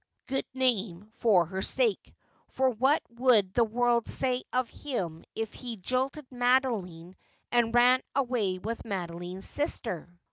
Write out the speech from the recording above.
349 good name for her sake : for what would the world say of him if he jilted Madeline and ran away with Madoline's sister